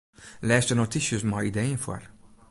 Lês de notysjes mei ideeën foar.